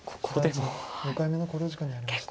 志田八段５回目の考慮時間に入りました。